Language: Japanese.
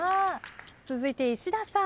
続いて石田さん。